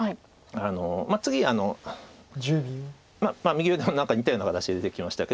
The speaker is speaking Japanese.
次右上も何か似たような形出てきましたけど。